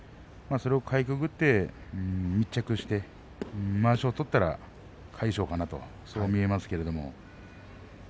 それをかいくぐって密着してまわしを取ったら魁勝かなと、そんな感じがします。